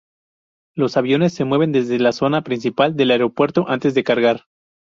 Los aviones se mueven desde la zona principal del aeropuerto antes de cargar.